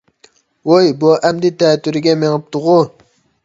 ۋوي بۇ ئەمدى تەتۈرىگە مېڭىپتىغۇ؟